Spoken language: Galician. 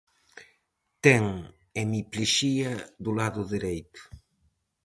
Ten hemiplexía do lado dereito.